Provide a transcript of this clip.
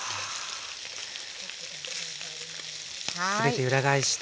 全て裏返して。